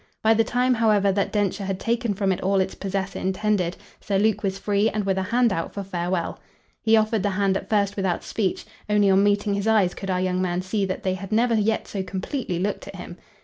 By the time, however, that Densher had taken from it all its possessor intended Sir Luke was free and with a hand out for farewell. He offered the hand at first without speech; only on meeting his eyes could our young man see that they had never yet so completely looked at him.